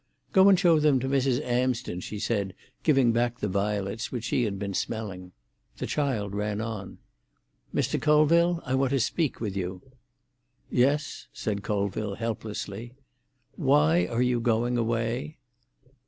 "Go and show them to Mrs. Amsden," she said, giving back the violets, which she had been smelling. The child ran on. "Mr. Colville, I want to speak with you." "Yes," said Colville helplessly. "Why are you going away?"